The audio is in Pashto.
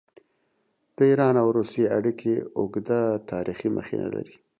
د ایران او روسیې اړیکې اوږده تاریخي مخینه لري.